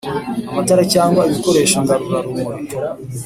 Amatara cyangwa ibikoresho ngarura-rumuri